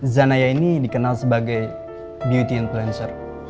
zanaya ini dikenal sebagai beauty influencer